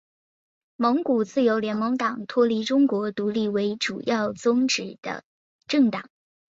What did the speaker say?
蒙古自由联盟党脱离中国独立为主要宗旨的政党。